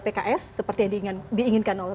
pks seperti yang diinginkan oleh